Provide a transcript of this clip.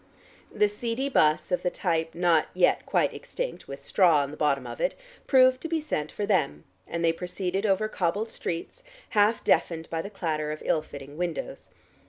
The seedy 'bus, of the type not yet quite extinct, with straw on the bottom of it, proved to be sent for them and they proceeded over cobbled streets, half deafened by the clatter of ill fitting windows.